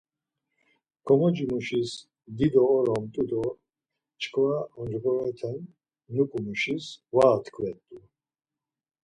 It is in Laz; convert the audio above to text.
Komoci muşis dido oromt̆u do çkva oncğorete nuǩu muşis var atkvet̆u.